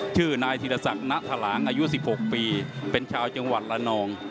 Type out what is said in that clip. ชื่อนายธีรศักดิ์ณถลางอายุ๑๖ปีเป็นชาวจังหวัดละนอง